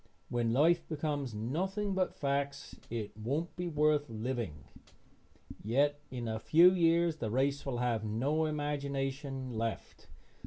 When life becomes nothing but facts it won't be worth living; yet in a few years the race will have no imagination left.